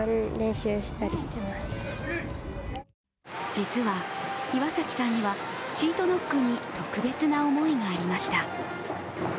実は、岩崎さんにはシートノックに特別な思いがありました。